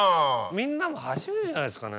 みんなも初めてじゃないですかね。